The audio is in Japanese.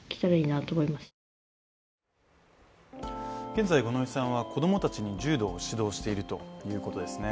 現在、五ノ井さんは子供たちに柔道を指導しているということですね。